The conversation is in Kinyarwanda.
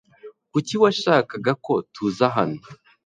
Kuki washakaga ko tuza hano?